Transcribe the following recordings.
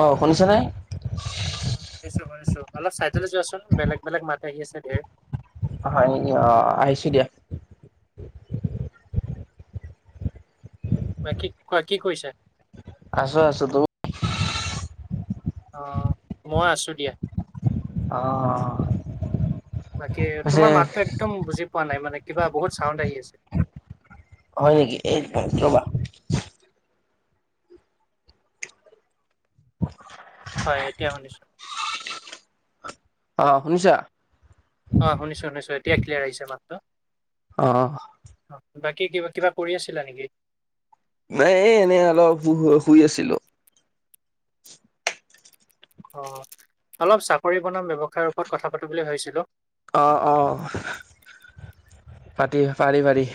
অঁ শুনিছেনে শুনিছো, শুনিছো। অলপ চাইডলে যোৱাচোন, বেলেগ বেলেগ মাত আহি আছে ধেৰ। হই নিকি অ আহিছো দিয়া বাকি কোৱা কি কইছা আছো আছো তুমি অ মই আছো দিয়া অ বাকী পিছে তোমাৰ মাতটো একদম বুজি পোৱা নাই মানে কিবা বহুত চাউণ্ড আহি আছে হয় নিকি এক মিনিট ৰ'বা [unintelligible] হয় এতিয়া শুনিছো অহ শুনিছা অ শুনিছো শুনিছো এতিয়া ক্লিয়াৰ আহিছে মাতটো অহ অ বাকী কিবা কিবা কৰি আছিলা নিকি নাই এ এনেই অলপ শু শুই আছিলো অ অলপ চাকৰি বনাম ব্যৱসায়ৰ ওপৰত কথা পাটো বুলি ভাবিছিলো অ অঁ পাতি পাৰি পাৰি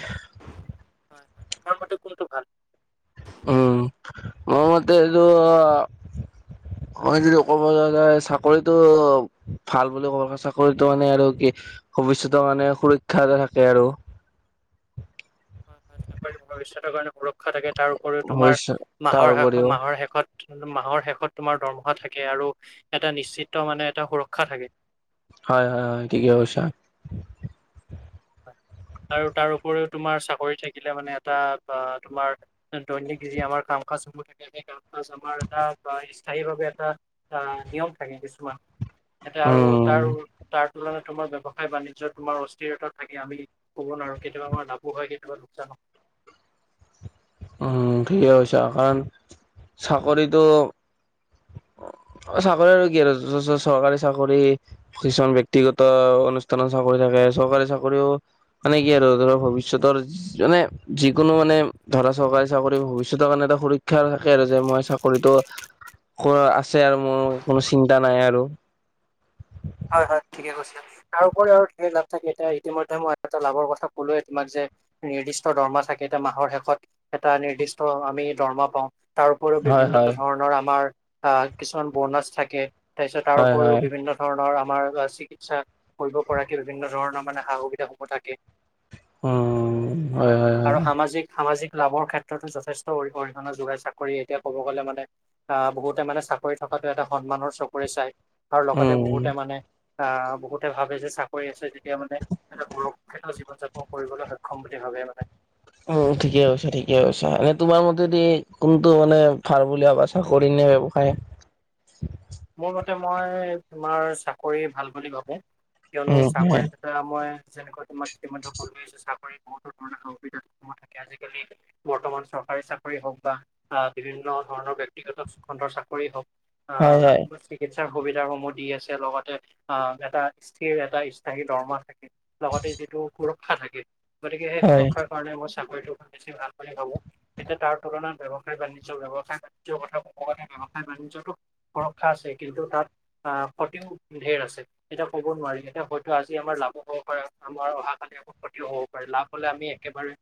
হয় হয় তোমাৰ মতে কোনটো ভাল উম মোৰ মতে তো অ মই যদি কবলে যাও চাকৰিটো ভাল বুলি কম চাকৰিটো মানে আৰু কি ভৱিষ্যতৰ মানে সুৰক্ষা এটা থাকে আৰু [inaudible] [unintelligible] ভৱিষ্যতৰ কাৰণে সুৰক্ষা থাকে। তাৰ উপৰিও তোমাৰ ভৱিষ্যত তাৰ মাহৰ শেষ উপৰিও মাহৰ শেষত মাহৰ শেষত তোমাৰ দৰমহা থাকে আৰু এটা নিশ্চিত মানে এটা সুৰক্ষা থাকে। হয়-হয়-হয় ঠিকে কৈছা। হয়। আৰু তাৰ উপৰিও তোমাৰ চাকৰি থাকিলে মানে এটা তোমাৰ দৈনিক যি আমাৰ কাম কাজসমূহ থাকে সেই কাম-কাজ আমাৰ এটা স্থায়ীভাৱে এটা আহ নিয়ম থাকে কিছুমান। ইয়াতে আৰু উম তাৰু তাৰ তুলনাত তোমাৰ ব্যৱসায় বাণিজ্য তোমাৰ অস্থিৰতা থাকে, আমি ক'ব নোৱাৰো কেতিয়াবা আমাৰ লাভো হয় কেতিয়াবা লোকচান হয়। উম ঠিকে কৰিছা কাৰণ, চাকৰিটো [inaudible] অ', চাকৰি আৰু কি আৰু য চৰকাৰী চাকৰি, কিছুমান ব্যক্তিগত অনুষ্ঠানৰ চাকৰি। [unintelligible] চৰকাৰী চাকৰিও, মানে কি আৰু ধৰক ভৱিষ্যতৰ মানে, যিকোনো মানে ধ ধৰা চৰকাৰী চাকৰি ভৱিষ্যতৰ কাৰণে এটা সুৰক্ষা থাকে আৰু যে মই চাকৰিটো খুৰা আছে আৰু মোৰ কোনো চিন্তা নাই আৰু। হয়, হয়, ঠিকে কৈছা, তাৰ উপৰি আৰু ধেৰ লাভ থাকে এতিয়া ইতিমধ্যে মই এটা লাভৰ কথা কলোৱে তোমাক যে এক নিৰ্দিষ্ট দৰমহা থাকে এতিয়া মাহৰ শেষত, এটা নিৰ্দিষ্ট আমি দৰমহা পাওঁ। তাৰ উপৰিও হয় বিভিন্ন হয় ধৰণৰ আমাৰ আৰ কিছুমান বোনাচ থাকে। তাৰপিছত তাৰ হয় উপৰিও হয় বিভিন্ন। [unintelligible] আমাৰ চিকিৎসা, কৰিব পৰাকে বিভিন্ন ধৰণৰ মানে সা সুবিধা সমূহ থাকে। উম হয় হয় হয় আৰু সামাজিক-সামাজিক। লাভৰ ক্ষেত্ৰতো যথেষ্ট অ-অৰিহণা যোগাই চাকৰি এতিয়া ক'ব গ'লে মানে, আহ বহুতে মানে চাকৰি থকা তাতো এটা সন্মানৰ চকুৰে চাই আৰ আগতে উম বহুতে মানে, আহ বহুতে ভাবে যে চাকৰি আছে যে এতিয়া মানে, এটা সুৰক্ষিত জীৱন যাপন কৰিবলৈ সক্ষম বুলি ভাবে মানে। উম, ঠিকে আছে ঠিকে আছে এনে তোমাৰ মতেদি কোনটো মানে, ভাল বুলি ভাবা চাকৰি ব্যৱসায়। মোৰ মতে মই, তোমাৰ, চাকৰি ভাল বুলি ভাবোঁ। কিয়নো উম হয় চাকৰিত এটা মই যেনেকুৱা তোমাক ইতিমধ্যে কলোৱেই চাকৰিত বহুতো ধৰণৰ সা সুবিধা [unintelligible] থাকে আজিকালি, বৰ্তমান চৰকাৰী চাকৰি হওঁক বা, বিভিন্ন ধৰণৰ ব্যক্তিগত খণ্ডৰ চাকৰি হওঁক। [unintelligible] হয় তাৰ হয় সুবিধাসমূহ দি আছে লগতে, আহ এটা স্থিৰ এটা স্থায়ী দৰমহা থাকে, লগতে যিটো সুৰক্ষা থাকে, গতিকে সেই হয় সুৰক্ষাৰ কাৰণে মই চাকৰিটো বেছি ভাল বুলি ভাবো। এতিয়া তাৰ তুলনাত ব্যৱসায়-বাণিজ্য ব্যৱসায়-বাণিজ্য কথা ক'ব গলে ব্যৱসায় বাণিজ্যটো কৰ আছে কিন্তু তাত, আহ ক্ষতিও ঢেৰ আছে, এতিয়া ক'ব নোৱাৰি এতিয়া হয়তো আজি আমাৰ লাভো আমাৰ অহাকালি আকৌ ক্ষতিও হ'ব পাৰে লাভ হলে আমি একেবাৰে,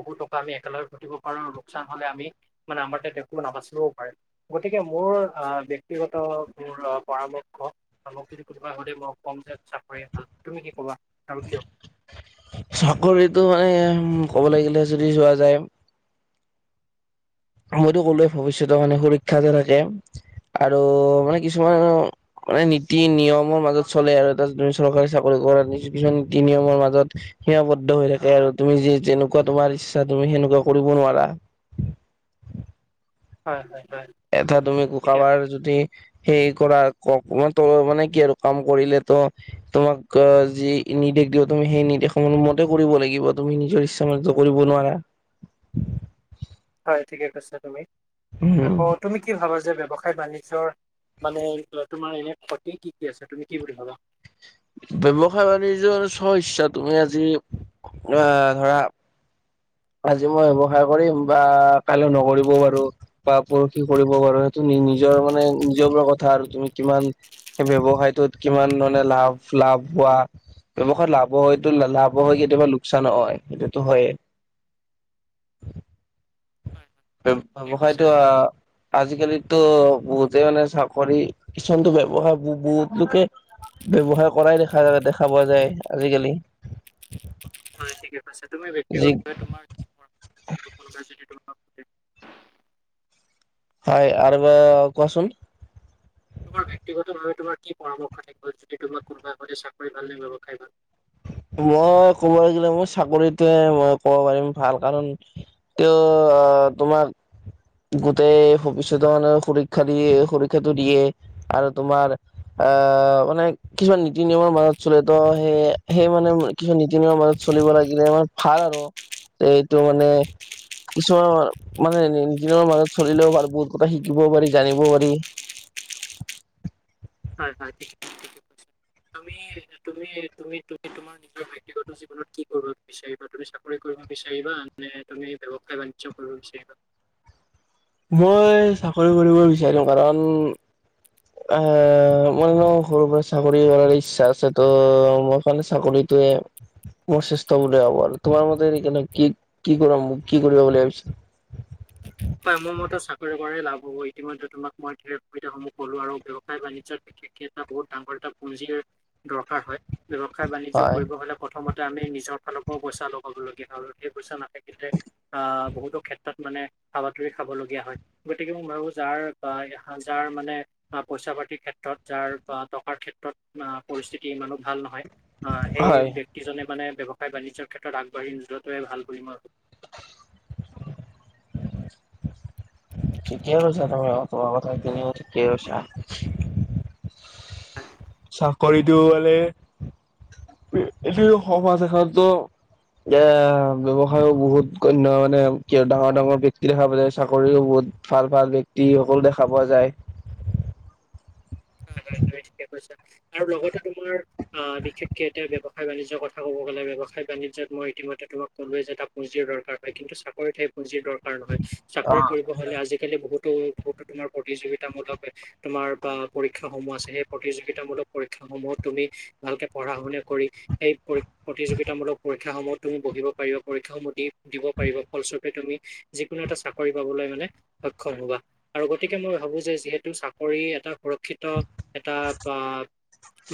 বহুত টকা আমি একেলগে ক্ষতি ক'ব পাৰে লোকচান হলে আমি, মানে আমাৰ তাত একো নাবাচিবও পাৰে, গতিকে মোৰ আহ ব্যক্তিগত মোৰ পৰামৰ্শ, মোক যদি কোনোবাই সোধে মই ক'ম যে চাকৰিয়ে ভাল, তুমি কি কবা? আৰু কিয় [unintelligible] চাকৰিটো মানে ক'ব লাগিলে যদি যোৱা যায়। মইতো ক'লোৱে ভৱিষ্যতৰ কাৰণে সুৰক্ষা যে থাকে। আৰু, মানে কিছুমান মানে নীতি নিয়মৰ মাজত চলে আৰু এটা চৰকাৰী চাকৰি [unintelligible] কিছু নীতি নিয়মৰ মাজত সীমাবদ্ধ হৈ থাকে আৰু তুমি যি যেনেকুৱা তোমাৰ ইচ্ছা তুমি সে সেনেকুৱা কৰিব নোৱাৰা। [unintelligible] হয়, হয়, হয় এটা তুমি ঠিকে [unintelligible] যদি সেই কৰা কও [unintelligible] মানে কি আৰু কাম কৰিলেতো, তোমাক যি ইমি [unintelligible] তুমি সেই নিৰ্দেশনা মতে কৰিব লাগিব তুমি নিজৰ ইচ্ছা মতেটো কৰিব নোৱাৰা। হয় ঠিকে কৈছা তুমি, উম আকৌ তুমি কি ভাবা যে যে ব্যৱসায়-বাণিজ্যৰ মানে তোমাৰ এনে ক্ষতি কি কি আছে তুমি কি বুলি ভাবা? ব্যৱসায় বাণিজ্যৰ চ ইচ্ছা তুমি আজি, আহ ধৰা আজি মই ব্যৱসায় কৰিম বা, কাইলৈ নকৰিবও পাৰো বা পৰহি কৰিব পাৰো সেইটো নি ই নিজৰ মানে, নিজৰ পৰা কথা আৰু তুমি কিমান সেই ব্যৱসায়টোত কিমান মানে লাভ-লাভ হোৱা। ব্যৱসায়ত লাভ হয়টো লাভ হৈ কেতিয়াবা লোকচান হয় সেইটোতো হয়েই। হয় হয় হুম ঠিকে কৈছা ব্যৱসায়টো আৰু আজি-কালিটো বহুতে মানে চাকৰি, কিছুমানটো ব্যৱসায় বু- বু-বহুত লোকে ব্যৱসায় কৰাই দেখা দেখা পোৱা যায় আজি-কালি। হয় ঠিকে কৈছা। তুমি যি ব্যক্তিগতভাৱে তোমাৰ [unintelligible] অ [unintelligible] হয় আৰু কোৱাচোন। তোমাৰ ব্যক্তিগতভাৱে তোমাৰ কি পৰামৰ্শ থাকিব যদি তোমাৰ কোনোবাই সোধে চাকৰি ভাল নে ব্যৱসায় ভাল? [inaudible] মই ক'বলে গ'লে মই চাকৰিটোৱে মই ক'ব পাৰিম ভাল, কাৰণ কিয় অ তোমাৰ গোটেই ভৱিষ্যতৰ মানে সুৰক্ষা দিয়ে। সুৰক্ষাটো দিয়ে আৰু তোমাৰ আ মানে কিছুমান নীতি-নিয়মৰ মাজত চলেটো। সেই সেই মানে কিছু নীতি-নিয়মৰ মাজত চলিব লাগিলে আৰু ভাল আৰু এইটো মানে কিছুমান মানে নিজৰ মাজত চলিলেও পাৰি বহুত কথা শিকিব পাৰি, জানিব পাৰি। [unintelligible] হয়, হয় ঠিক তুমি-তুমি-তুমি তোমাৰ নিজৰ ব্যক্তিগত জীৱনত কি কৰিব বিচাৰিবা? তুমি চাকৰি কৰিব বিচাৰিবা [unintelligible] তুমি ব্যৱসায়-বাণিজ্য কৰিব বিচাৰিবা? মই চাকৰি কৰিব বিচাৰো কাৰণ অ মই ন সৰুৰ পৰা চাকৰি কৰাৰ ইচ্ছা আছে। ত মই কাৰণে চাকৰি টোৱে মই শ্ৰেষ্ঠ বুলি ভাবো আৰু তোমাৰ মতে [unintelligible] কি কি কৰাম কি কৰিবা বুলি ভাবিছ [inaudible] হয় মোৰ মতে চাকৰি কৰাই লাভ হ'ব ইতিমধ্যে তোমাক মই ধেৰ সুবিধাসমূহ ক'লো আৰু ব্যৱসায় বাণিজ্যৰ [unintelligible] বহুত ডাঙৰ এটা পুঁনজিৰ দৰকাৰ হয়। ব্যৱসায়-বাণিজ্য হয়। কৰিব হ'লে প্ৰথমতে আমি নিজৰ ফালৰ পৰাও পইচা লগাবলগীয়া হয় আৰু সেই পইচা না [unintelligible] আহ বহুতো ক্ষেত্ৰত মানে হাবাথুৰি খাবলগীয়া হয়। গতিকে মই ভাবো যাৰ আহ যাৰ মানে পইচা পাতিৰ ক্ষেত যাৰ বা টকাৰ ক্ষেত্ৰত আ পৰিস্থিতি ইমানো ভাল নহয়। অ সেই হয়, ব্যক্তিজনে মানে ব্যৱসায়-বাণিজ্যৰ ক্ষেত্ৰত আগবাঢ়ি নোযোৱাটোৱে ভাল বুলি মই ভাবো। [unintelligible] ঠিকে কৈছা তুমি অ কোৱা কথা ঠিকে কৈছা। [unintelligible] চাকৰিটো পালে এইটো সমাজ এখনটো এয়া ব্যৱসায়ো বহুত অন্য মানে কিয় ডাঙৰ ডাঙৰ ব্যক্তি দেখা পালে চাকৰিও বহুত ভাল-ভাল ব্যক্তি অকল দেখা পোৱা যায়। [inaudible] হয়, হয় তুমি ঠিকে কৈছা আৰু লগতে তোমাৰ অ বিশেষকে এতিয়া ব্যৱ ব্যৱসায়-বাণিজ্য কথা ক'ব গলে ব্যৱসায়-বাণিজ্যত মই ইতিমধ্যে তোমাক ক'লোৱে যে এটা পুঁজিৰ দৰকাৰ হয়। কিন্তু চাকৰিত হেই পুঁজিৰ দৰ [unintelligible] নহয় অ চাকৰি কৰিব হ'লে আজি-কালি বহুত [unintelligible] বহুতো তোমাৰ প্ৰতিযোগিতামূলক তোমাৰ বা পৰীক্ষা সমূহ আছে, সেই প্ৰতিযোগিতামূলক পৰীক্ষাসমূহত তুমি ভালকে পঢ়া-শুনা কৰি সেই পৰি প্ৰতিযোগিতামূলক পৰীক্ষাসমূহ তুমি বহিব পাৰিবা, পৰীক্ষাসমূহ দি দিব পাৰিবা। ফলস্বৰূপে তুমি যি কোনো এটা চাকৰি পাবলৈ মানে সক্ষম হ'বা আৰু গতিকে মই ভাবো যে যিহেতু চাকৰি এটা শিক্ষিত এটা আ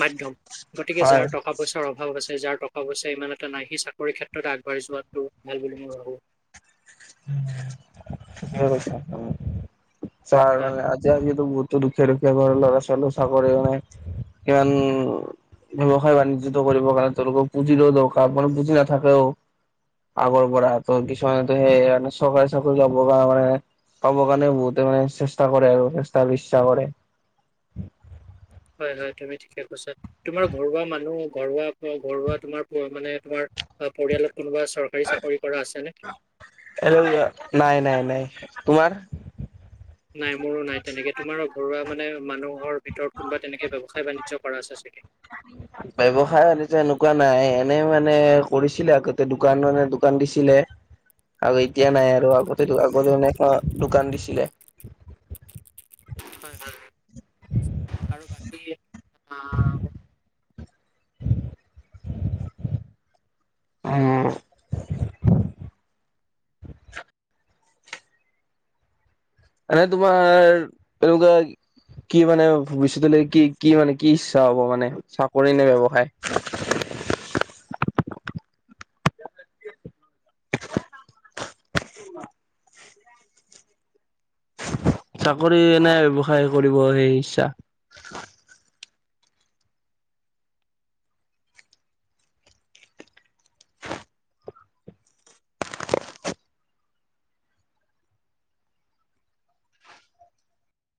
মাধ্যম। গতিকে যাৰ হয় টকা-পইচাৰ অভাৱ আছে যাৰ টকা-পইচা ইমান এটা নাই, সি চাকৰিৰ ক্ষেত্ৰত আগবাঢ়ি যোৱাটো ভাল বুলি মই ভাবোঁ। [unintelligible] চা আৰু হয় মানে আজি আমি বহুতো দুখ দুখীয়া ঘৰৰ ল'ৰা ছোৱালীৰ চাকৰিও নাই, [unintelligible] ব্যৱসায় বাণিজ্যটো কৰিবৰ কাৰণে তেওঁলোকৰ পুঁজিৰো দৰকাৰ পৰে, মানে পুঁজি নাথাকেও আগৰ পৰা, ত' কিছমানোতো সেই চৰকাৰী চাকৰি লব বা মানে পাব কাৰণে বহুতে মানে চেষ্টা কৰে আৰু, চেষ্টা বিশ্বাস কৰে। [unintelligible] হয়, হয়, তুমি ঠিকে কৈছা, তোমাৰ ঘৰুৱা মানুহ ঘৰুৱা-ঘৰুৱা তোমাৰ মানে তোমাৰ পৰিয়ালত কোনোবা চৰকাৰী চাকৰি কৰা আছেনে? এই নাই, নাই, নাই, তোমাৰ? নাই মোৰো নাই তেনেকে তোমাৰো ঘৰুৱা মানে মানুহ ঘৰৰ ভিতৰত কোনোবা তেনেকে ব্যৱসায় বাণিজ্য কৰা আছে চাগে? মানে মানে কৰিছিলে আগতে দোকান মানে দোকান দিছিলে। আৰু এতিয়া নাই আৰু আগতে আগতে এনেকোৱা দোকান দিছিলে। হয়, হয়, আৰু বাকী, আ [unintelligible] উম, এনে তোমাৰ, এনেকুৱা কি মানে ভৱিষ্যতলৈ কি-কি মানে কি ইচ্ছা হ'ব মানে, চাকৰি নে ব্যৱসায়? [unintelligible] [inaudible] চাকৰি এনেও ব্যৱসায় কৰিব, সেই ইচ্ছা